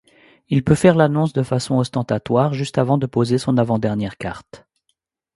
Il peut faire l'annonce de façon ostentatoire juste avant de poser son avant-dernière carte.